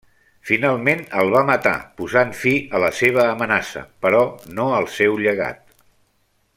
Finalment el va matar posant fi a la seva amenaça, però no al seu llegat.